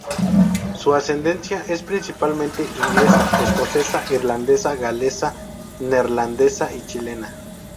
Su ascendencia es principalmente inglesa, escocesa, irlandesa, galesa, neerlandesa y chilena.